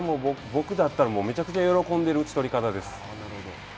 これはもう僕だったら、めちゃくちゃ喜んでいる打ち取り方です。